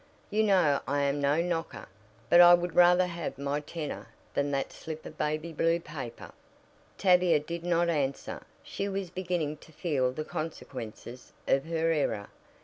You know I am no 'knocker,' but I would rather have my 'tenner' than that slip of baby blue paper." Tavia did not answer. She was beginning to feel the consequences of her error.